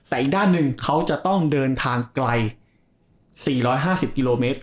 แต่อีกด้านหนึ่งเขาจะต้องเดินทางไกล๔๕๐กิโลเมตร